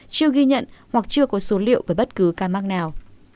chưa ghi nhận hoặc chưa có số liệu về bất cứ ca mắc nào